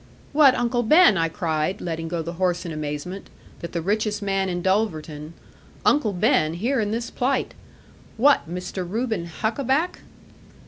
'What, Uncle Ben!' I cried, letting go the horse in amazement, that the richest man in Dulverton 'Uncle Ben here in this plight! What, Mr. Reuben Huckaback!'